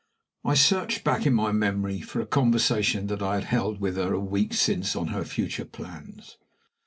I searched back in my memory for a conversation that I had held with her a week since on her future plans.